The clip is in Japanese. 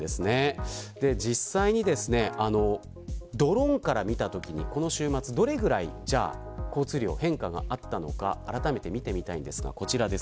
実際にドローンから見たときにこの週末、どれぐらい交通量に変化があったのかあらためて見てみます。